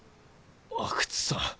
阿久津さん。